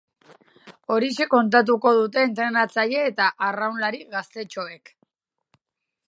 Horixe kontatuko dute entrenatzaile eta arraunlari gaztetxoek.